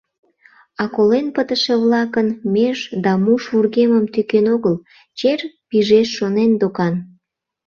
А колен пытыше-влакын меж да муш вургемым тӱкен огыл, чер пижеш шонен докан.